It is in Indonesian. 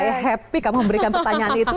eh happy kamu memberikan pertanyaan itu